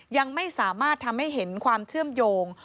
ยังไม่สามารถทำให้เห็นความเชื่อมโยง